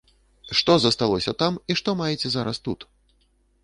Што засталося там і што маеце зараз тут?